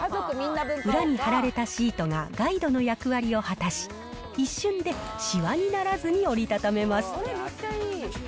裏に貼られたシートがガイドの役割を果たし、一瞬でしわにならずに折り畳めます。